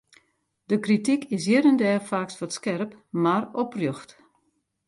De krityk is hjir en dêr faaks wat skerp, mar oprjocht.